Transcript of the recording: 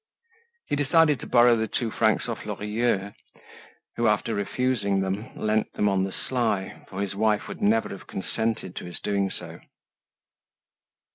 He decided to borrow the two francs of Lorilleux, who after refusing them, lent them on the sly, for his wife would never have consented to his doing so.